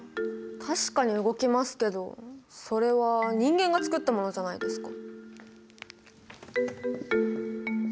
確かに動きますけどそれは人間が作ったものじゃないですか。